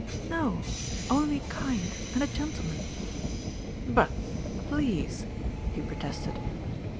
"No; only kind and a gentleman." "But please!" he protested.